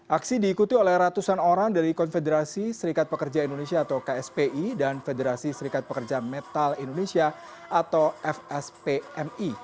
aksi diikuti oleh ratusan orang dari konfederasi serikat pekerja indonesia atau kspi dan federasi serikat pekerja metal indonesia atau fspmi